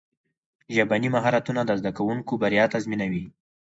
ژبني مهارتونه د زدهکوونکو بریا تضمینوي.